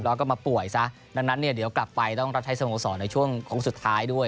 แล้วก็มาป่วยซะดังนั้นเนี่ยเดี๋ยวกลับไปต้องรับใช้สโมสรในช่วงโค้งสุดท้ายด้วย